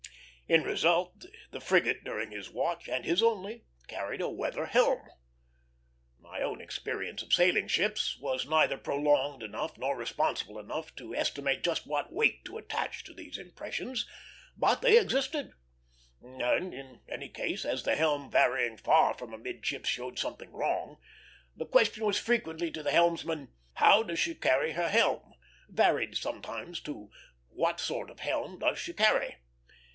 In result, the frigate during his watch, and his only, carried a weather helm. My own experience of sailing ships was neither prolonged enough nor responsible enough to estimate just what weight to attach to these impressions, but they existed; and in any case, as the helm varying far from amidships showed something wrong, the question was frequent to the helmsman, "How does she carry her helm?" varied sometimes to, "What sort of helm does she carry?"